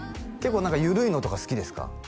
結構緩いのとか好きですか？